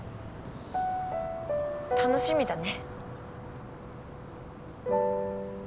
楽しみだね。